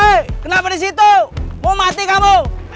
woy kenapa disitu mau mati kamu